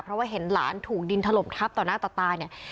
เพราะว่าเห็นหลานถูกดินถล่มทับต่อหน้าต่อตาเนี่ย